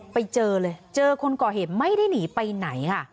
ไปเจอเลยเจอคนก่อเหตุไม่ได้หนีไปไหนค่ะ